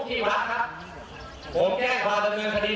ไม่ให้มีการขายของลงถึงท่านด้วยนะครับ